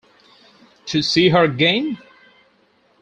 To see her again?